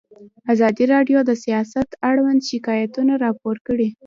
ازادي راډیو د سیاست اړوند شکایتونه راپور کړي.